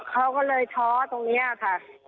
เขาก็เลยท้อตรงนี้ค่ะ